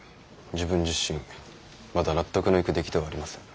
自分自身まだ納得のいく出来ではありません。